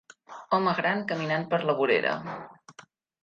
Home gran caminant per la vorera.